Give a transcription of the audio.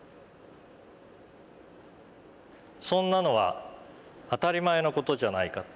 そんなのは当たり前の事じゃないか。